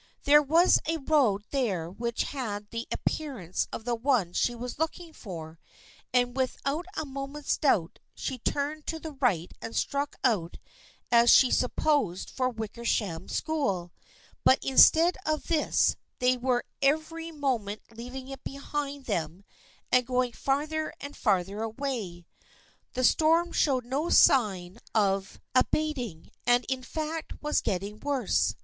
There was a road there which had the appearance of the one she was looking for, and without a moment's doubt she turned to the right and struck out as she supposed for the Wickersham School, but instead of this they were every mo ment leaving it behind them and going farther and farther away. The storm showed no sign of THE FKIENDSHIP OF ANNE 121 abating, and in fact was getting worse.